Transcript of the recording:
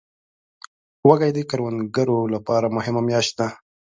وږی د کروندګرو لپاره مهمه میاشت ده.